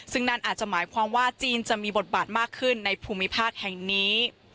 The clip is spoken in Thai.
ซึ่งนั่นอาจจะหมายความว่าจีนจะมีบทบาทมากขึ้นในภูมิภาคแห่งนี้